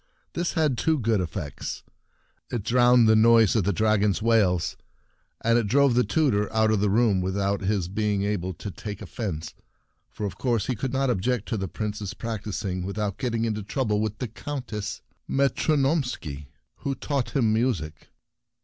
This had two good effects. It drown ed the noise of the dragon's Practising Scales 30 The Prince Tutor wails, and it drove the tutor out Leaves of the room without his being able to take offence, for of course he could not object to the Prince's practising without getting into trouble with the Countess Metronomski, who taught him music.